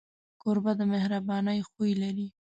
کوربه د مهربانۍ خوی لري.